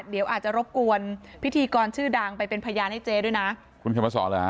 เดี๋ยวอาจจะรบกวนพิธีกรชื่อด่างไปเป็นพยายามให้เจ๊ด้วยนะ